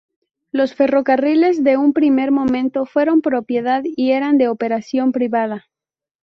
Los ferrocarriles en un primer momento fueron propiedad y eran de operación privada.